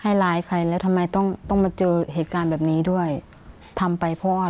ร้ายใครแล้วทำไมต้องต้องมาเจอเหตุการณ์แบบนี้ด้วยทำไปเพราะว่า